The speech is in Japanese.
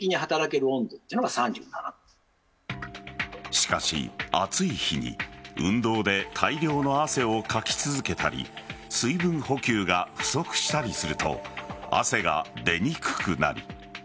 しかし、暑い日に運動で大量の汗をかき続けたり水分補給が不足したりすると汗が出にくくなる。